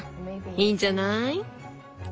いいんじゃない。